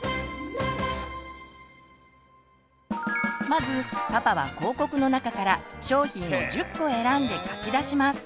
まずパパは広告の中から商品を１０個選んで書き出します。